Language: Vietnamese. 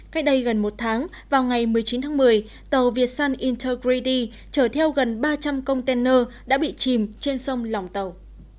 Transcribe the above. cách đây gần một tháng vào ngày một mươi chín tháng một mươi tàu viet sun intergredi chở theo gần ba trăm linh container đã bị chìm trên sông lòng tàu